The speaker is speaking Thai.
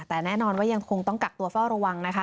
แต่แน่นอนว่ายังคงต้องกักตัวเฝ้าระวังนะคะ